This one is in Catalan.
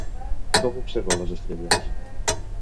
Com observa les estrelles?